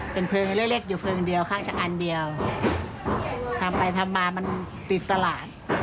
เป็นเพลิงเล็กเล็กอยู่เพลิงเดียวข้างชะอันเดียวทำไปทำมามันติดตลาด